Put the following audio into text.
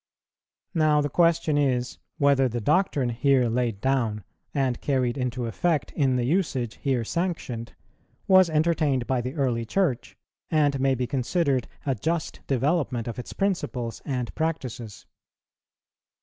Now the question is, whether the doctrine here laid down, and carried into effect in the usage here sanctioned, was entertained by the early Church, and may be considered a just development of its principles and practices.